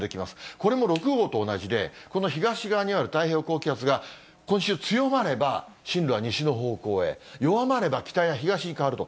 これも６号と同じで、この東側にある太平洋高気圧が今週、強まれば、進路は西の方向へ、弱まれば北や東に変わると。